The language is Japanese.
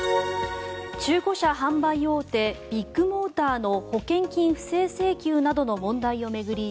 中古車販売大手ビッグモーターの保険金不正請求などの内容を巡り